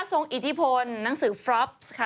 อิทธิพลหนังสือฟรอปซ์ค่ะ